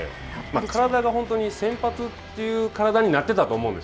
体が本当に先発という体になってたと思うんです。